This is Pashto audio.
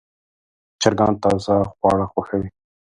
چرګان تازه خواړه خوښوي.